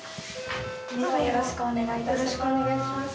よろしくお願いします。